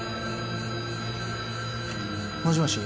もしもし。